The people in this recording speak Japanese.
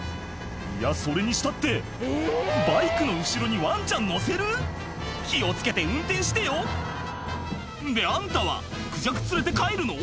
いやそれにしたってバイクの後ろにワンちゃん乗せる⁉気を付けて運転してよであんたはクジャク連れて帰るの？